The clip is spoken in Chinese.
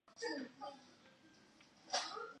还是希望能住在乡下